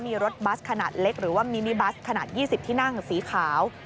มีรถบัสขนาดเล็กหรือว่ามินิบัสขนาด๒๐ที่นั่งสีขาว